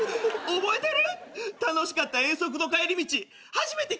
覚えてる？